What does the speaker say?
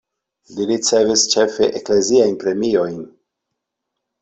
Li ricevis ĉefe ekleziajn premiojn.